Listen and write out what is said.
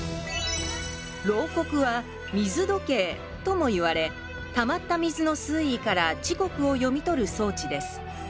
漏刻は水時計ともいわれたまった水の水位から時刻を読み取る装置です。